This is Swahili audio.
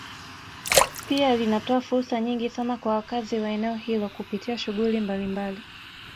Pia linatoa fursa nyingi sana kwa wakazi wa eneo hilo kupitia shughuli mbalimbali